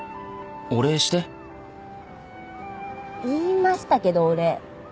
言いましたけどお礼。